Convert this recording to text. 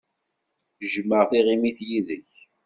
Jjmeɣ tiɣimit yid-k.